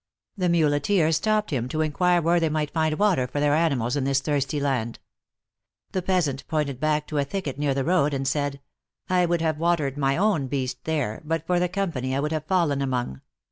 The muleteer stop ped him to enquire where they might find water for their animals in this thirsty land. The peasant point ed back to a thicket iiear the road, arid said :" I would have watered my own beast there, but for the company I would have fallen among."